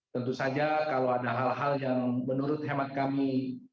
tentu saja kalau ada hal hal yang menurut hemat kami